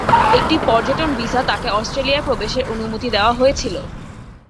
একটি পর্যটন ভিসা তাকে অস্ট্রেলিয়ায় প্রবেশের অনুমতি দেওয়া হয়েছিল।